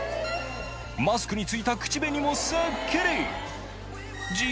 マスクに付いた口紅もすっきり！